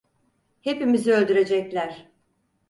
Hepimizi öldürecekler!